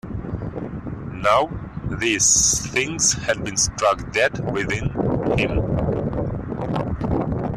Now these things had been struck dead within him.